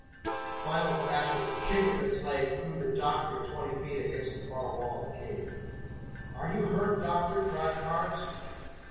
A final backward kick of its leg threw the doctor twenty feet against the far wall of the cave. "Are you hurt, Doctor?" cried Carnes.